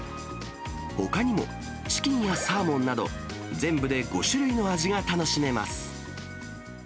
ほかにもチキンやサーモンなど、全部で５種類の味が楽しめます。